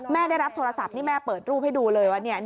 ได้รับโทรศัพท์นี่แม่เปิดรูปให้ดูเลยว่า